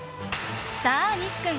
さあ、西君！